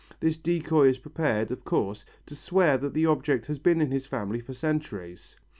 This decoy is prepared, of course, to swear that the object has been in his family for centuries.